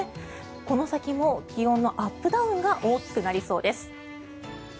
この先も気温のアップダウンが大きくなりそうです。